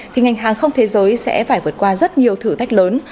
thì ngành hàng không thế giới sẽ phải vượt qua rất nhiều thử thách lớn